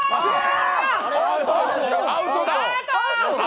アウトー！